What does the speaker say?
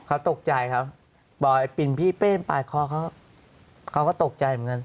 เขาตกใจครับบอกไอ้ปิ่นพี่เป้มปาดคอเขาเขาก็ตกใจเหมือนกัน